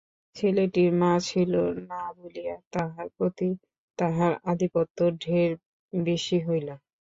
ছেলেটির মা ছিল না বলিয়া, তাহার প্রতি তাহার আধিপত্য ঢের বেশি হইল।